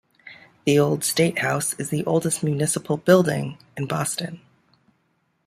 The Old State House is the oldest municipal building in Boston.